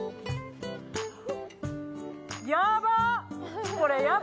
やばっ！